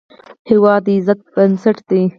هېواد د عزت بنسټ دی.